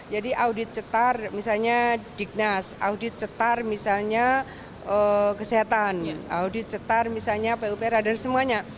jadi audit cetar misalnya dignas audit cetar misalnya kesehatan audit cetar misalnya pop radar semuanya